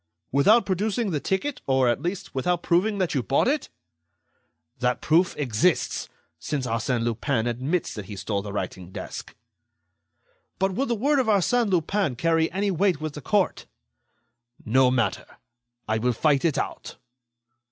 "Without producing the ticket, or, at least, without proving that you bought it?" "That proof exists, since Arsène Lupin admits that he stole the writing desk." "But would the word of Arsène Lupin carry any weight with the court?" "No matter; I will fight it out."